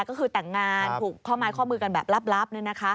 ก็คือแต่งงานถูกข้อมายข้อมือกันแบบลับนี่นะคะ